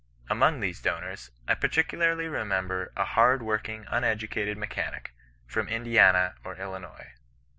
Among these donors, I particularly remember a hard working, uneducated mechanic, from Indiana or Illinois.